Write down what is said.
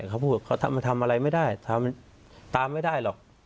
เขาพูดเขาทำอะไรไม่ได้ทำตามไม่ได้หรอก